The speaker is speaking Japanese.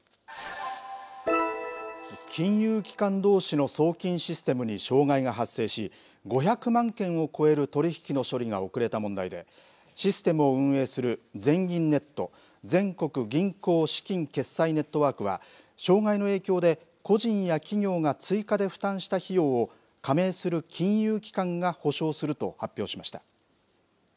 金融機関どうしの送金システムに障害が発生し、５００万件を超える取り引きの処理が遅れた問題で、システムを運営する全銀ネット・全国銀行資金決済ネットワークは、障害の影響で、個人や企業が追加で負担した費用を、加盟する金融機関が補償すると発表しました。